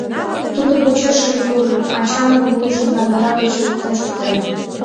Тудо почешыже куржын, ачамын вуйжым кандыра гыч луктын шуктен...